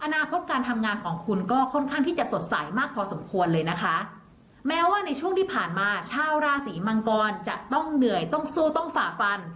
อนาคตการทำงานของคุณก็ค่อนข้างที่จะสดใสมากพอสมควรเลยนะคะแม้ว่าในช่วงที่ผ่านมาชาวราศีมังกรจะต้องเหนื่อยต้องสู้ต้องฝ่าฟัน